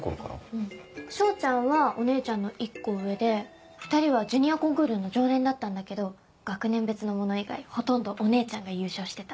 彰ちゃんはお姉ちゃんの１コ上で２人はジュニアコンクールの常連だったんだけど学年別のもの以外ほとんどお姉ちゃんが優勝してた。